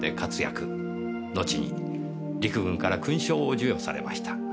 後に陸軍から勲章を授与されました。